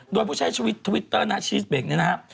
โดยผู้ใช้ชีวิตทวิตเตอร์นะชีสเบรกนี้นะครับ